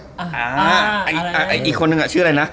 อีกคนนึงชื่ออะไรนะ